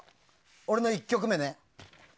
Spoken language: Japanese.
俺の１曲目ね。